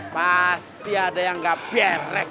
pasti ada yang gak beres